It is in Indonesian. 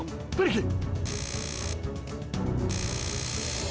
super mala pertaga